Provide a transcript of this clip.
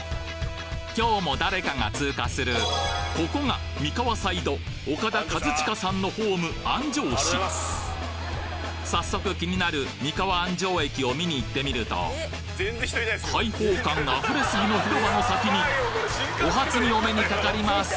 今日も誰かが通過するここが三河サイドオカダ・カズチカさんのホーム早速気になる三河安城駅を見に行ってみると開放感溢れすぎの広場の先にお初にお目にかかります！